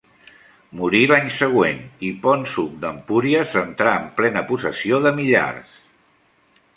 Morí l'any següent, i Ponç Hug d'Empúries entrà en plena possessió de Millars.